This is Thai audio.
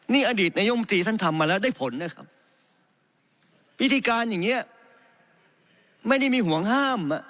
นี่อดีตนายกภัณฑ์มูลมิถีท่านทำมาแล้วได้ผลนะครับ